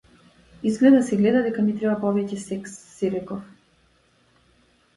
Изгледа се гледа дека ми треба повеќе секс, си реков.